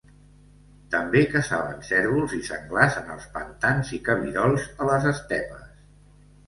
També caçaven cérvols i senglars en els pantans i cabirols a les estepes.